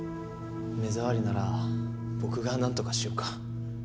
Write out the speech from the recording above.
目障りなら僕がなんとかしようか？